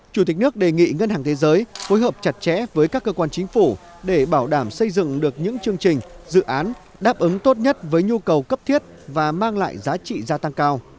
chủ tịch nước đề nghị ngân hàng thế giới phối hợp chặt chẽ với các cơ quan chính phủ để bảo đảm xây dựng được những chương trình dự án đáp ứng tốt nhất với nhu cầu cấp thiết và mang lại giá trị gia tăng cao